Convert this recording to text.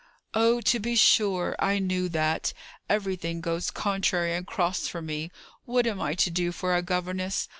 "Oh, to be sure! I knew that! Everything goes contrary and cross for me! What am I to do for a governess?